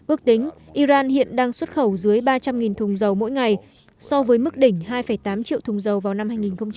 ước tính iran hiện đang xuất khẩu dưới ba trăm linh thùng dầu mỗi ngày so với mức đỉnh hai tám triệu thùng dầu vào năm hai nghìn một mươi bảy